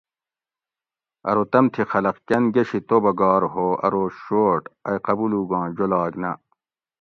ارو تمتھی خلق کۤن گۤشی توبہ گار ہو ارو شوٹ ائی قبولوگاں جولاگ نہ